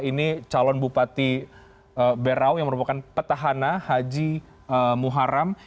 ini calon bupati berau yang merupakan petahana haji muharam